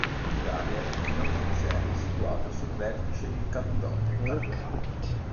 In Italia il chilometro zero è situato sul vertice del Campidoglio, a Roma.